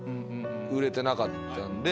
売れてなかったんで。